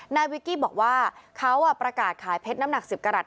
นายวิกกี้บอกว่าเขาประกาศขายเพชรน้ำหนัก๑๐กรัต